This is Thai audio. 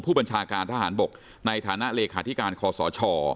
ผู้บัญชาการทหารบกในฐานะเลขาธิการคอสช